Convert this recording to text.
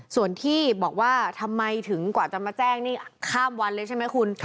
ส่วนที่บอกว่าทำไมถึงกว่าจะมาแจ้งนี่ข้ามวันเลยใช่ไหมคุณ